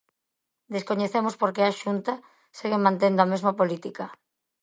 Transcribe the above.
Descoñecemos por que a Xunta segue mantendo a mesma política.